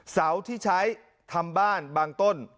เสาที่ใช้ทำบ้านบางต้น